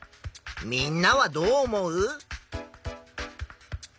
みんなはどう思う？